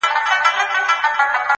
راوړم سکروټې تر دې لویي بنگلي پوري ـ